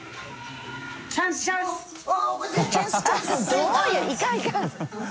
どういういかんいかん。